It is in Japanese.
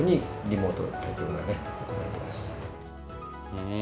うん。